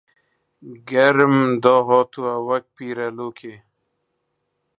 گەرم داهاتووە وەک پیرە لۆکی